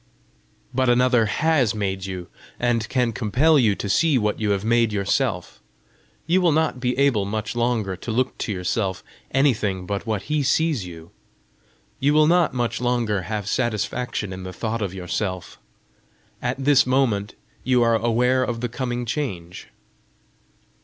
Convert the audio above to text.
"But another has made you, and can compel you to see what you have made yourself. You will not be able much longer to look to yourself anything but what he sees you! You will not much longer have satisfaction in the thought of yourself. At this moment you are aware of the coming change!"